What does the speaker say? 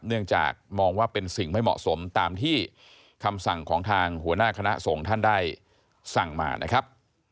เนื่องจากมองว่าเป็นสิ่งไม่เหมาะสมตามที่คำสั่งของทางหัวหน้าคณะสงฆ์ท่านได้สั่งมานะครับ